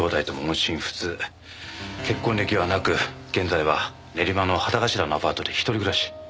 結婚歴はなく現在は練馬の畑頭のアパートで一人暮らし。